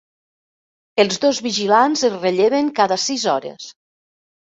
Els dos vigilants es relleven cada sis hores.